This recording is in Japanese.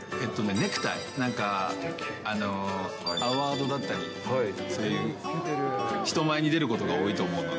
ネクタイ、なんかアワードだったり、人前に出ることが多いと思うので。